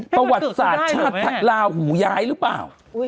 ประวัติศาสตร์ชาติลาหูย้ายหรือเปล่า